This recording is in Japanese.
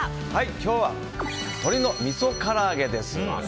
今日は鶏のみそから揚げです。